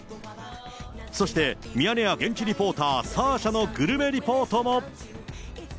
そしてミヤネ屋現地リポーター、サーシャのグルメリポートも。